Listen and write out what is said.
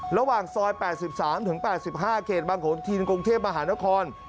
ระหว่างซอย๘๓ถึง๘๕เกตบถีนกรงเทพฯมหานคร